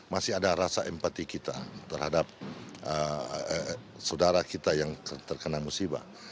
masih ada rasa empati kita terhadap saudara kita yang terkena musibah